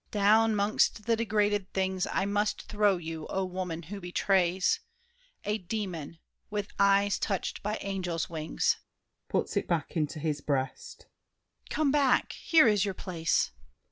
Down 'mongst the degraded things I must throw you, oh, woman who betrays! A demon, with eyes touched by angels' wings. [Puts it back into his breast. Come back; here is your place!